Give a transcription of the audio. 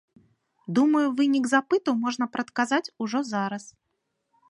Думаю, вынік запыту можна прадказаць ужо зараз.